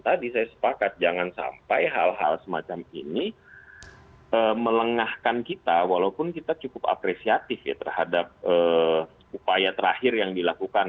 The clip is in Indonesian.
tadi saya sepakat jangan sampai hal hal semacam ini melengahkan kita walaupun kita cukup apresiatif ya terhadap upaya terakhir yang dilakukan